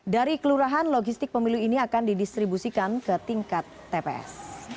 dari kelurahan logistik pemilu ini akan didistribusikan ke tingkat tps